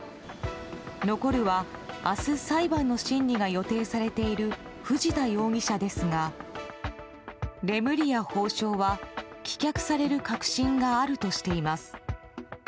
残るは、明日裁判の審理が予定されている藤田容疑者ですがレムリヤ法相は棄却される確信があるとしています。